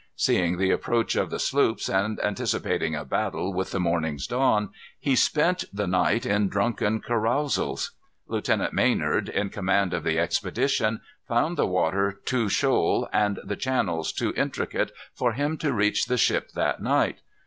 Seeing the approach of the sloops, and anticipating a battle with the morning's dawn, he spent the night in drunken carousals. Lieutenant Maynard, in command of the expedition, found the water too shoal and the channel too intricate for him to reach the ship that night.